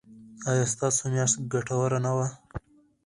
ایا ستاسو میاشت ګټوره نه وه؟